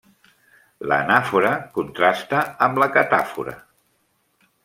L'anàfora contrasta amb la catàfora.